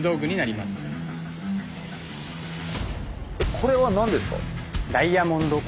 これは何ですか？